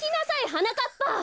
はなかっぱ！